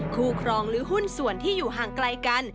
ครองหรือหุ้นส่วนที่อยู่ห่างไกลกัน